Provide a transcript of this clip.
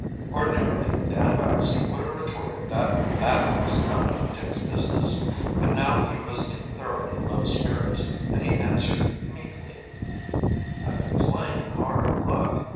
Ordinarily Dan Baxter would have retorted that that was none of Dick's business, but now he was in thoroughly low spirits, and he answered meekly: "I've been playing in hard luck.